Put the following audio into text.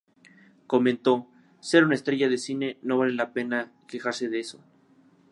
Comentó: "Ser una estrella de cine, no vale la pena quejarse de eso".